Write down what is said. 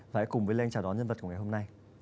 và hãy cùng với lê anh chào đón nhân vật của ngày hôm nay